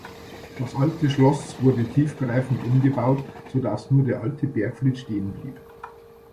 Das alte Schloss wurde tiefgreifend umgebaut, sodass nur der alte Bergfried stehen blieb.